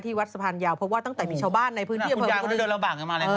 ที่วัดสภานยาวพบว่าตั้งแต่มีชาวบ้านในพื้นที่อำเภอภูกะดึง